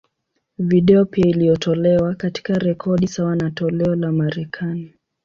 Video pia iliyotolewa, katika rekodi sawa na toleo la Marekani.